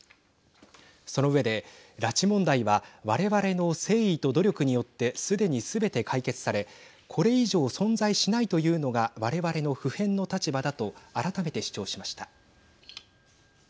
その上で拉致問題はわれわれの誠意と努力によってすでに、すべて解決されこれ以上、存在しないというのがわれわれの不変の立場だと改めて主張しました。